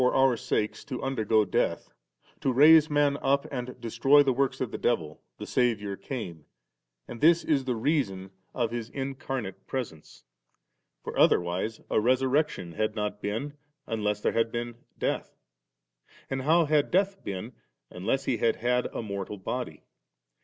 To give a witness then, and for oursakes to undergo death, to raise man up and destroy the woiks o£ the devil', the Saviour came, and this is the reason of His incarnate presence. For otherwise a resurrection had not been, unless there had been death ; and how had death been, unless He had had a mortal body?